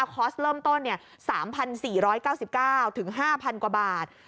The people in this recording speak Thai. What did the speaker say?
คอสเริ่มต้นเนี่ย๓๔๙๙ถึง๕๐๐๐กว่าบาท